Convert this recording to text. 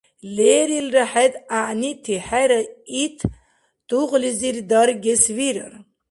Лерилра хӀед гӀягӀнити хӀера ит тугълизир даргес вирар